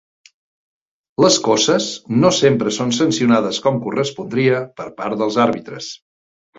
Les coces no sempre són sancionades com correspondria per part dels àrbitres.